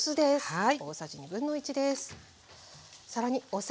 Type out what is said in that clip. はい。